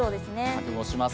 覚悟します。